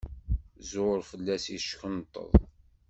Ẓẓur fell-as yeckunṭeḍ.